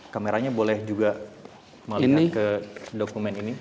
kameranya boleh juga melihat ke dokumen ini